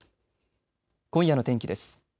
今夜の天気です。